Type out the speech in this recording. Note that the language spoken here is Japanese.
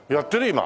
今。